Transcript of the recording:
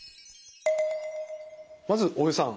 まず大江さん